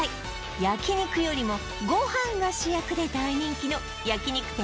焼肉よりもご飯が主役で大人気の焼肉店